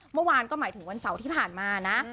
เมื่อวานก็หมายถึงวันเสาร์ที่ผ่านมานะ